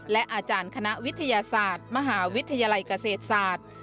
และอาจารย์คณะวิทยาศาสตร์มหาวิทยาลัยเกษตรศาสตร์